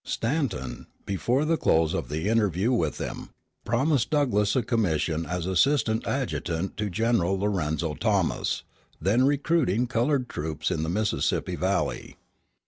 Stanton, before the close of the interview with him, promised Douglass a commission as assistant adjutant to General Lorenzo Thomas, then recruiting colored troops in the Mississippi Valley.